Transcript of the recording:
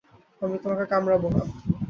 আমি তোমাকে কামড়াবো না।